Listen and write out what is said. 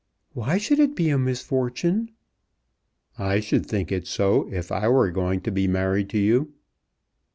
"Why should it be a misfortune?" "I should think it so if I were going to be married to you."